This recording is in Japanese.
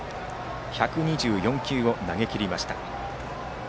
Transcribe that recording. １２４球を投げきりました。